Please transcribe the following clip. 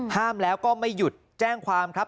ห้ามแล้วก็ไม่หยุดแจ้งความครับ